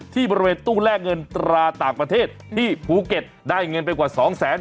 ที่บริเวณตู้แลกเงินตราต่างประเทศที่ภูเก็ตได้เงินไปกว่า๒แสน